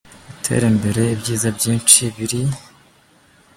gutera imbere ibyiza byinshi biri.